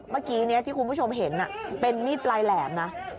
เมื่อกี้ที่คุณผู้ชมเห็นเป็นมีดปลายแหลมนะ